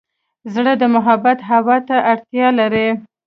زړه د محبت هوا ته اړتیا لري.